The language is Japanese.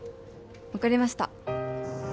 分かりました